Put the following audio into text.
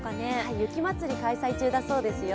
雪まつり開催中だそうですよ。